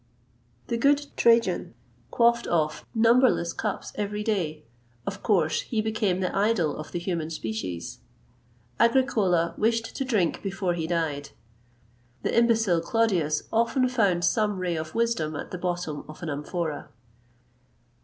The good Trajan quaffed off numberless cups every day: of course he became the idol of the human species.[XXII 143] Agricola wished to drink before he died.[XXII 144] The imbecile Claudius often found some ray of wisdom at the bottom of an amphora.